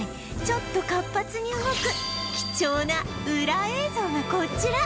ちょっと活発に動く貴重なウラ映像がこちら！